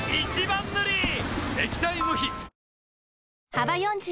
幅４０